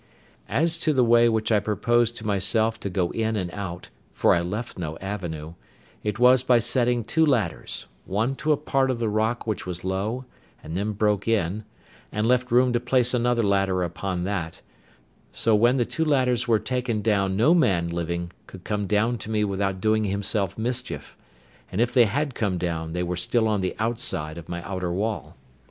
As for the way which I proposed to myself to go in and out (for I left no avenue), it was by setting two ladders, one to a part of the rock which was low, and then broke in, and left room to place another ladder upon that; so when the two ladders were taken down no man living could come down to me without doing himself mischief; and if they had come down, they were still on the outside of my outer wall.